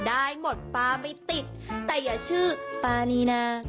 อันนี้ป่ากี้